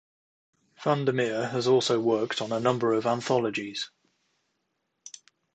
VanderMeer has also worked on a number of anthologies.